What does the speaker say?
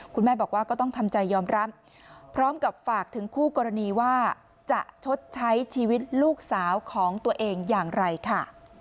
คุณแม่บอกว่าก็ต้องทำใจยอมรับพร้อมกับฝากถึงคู่กรณีว่าจะชดใช้ชีวิตลูกสาวของตัวเองอย่างไรค่ะ